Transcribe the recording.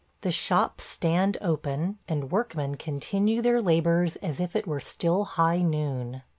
The shops stand open, and workmen continue their labors as if it were still high noon.